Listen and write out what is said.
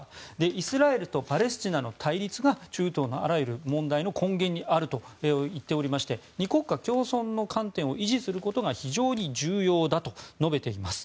イスラエルとパレスチナの対立が中東のあらゆる問題の根源にあると言っておりまして２国間共存の観点を維持することが非常に重要だと述べています。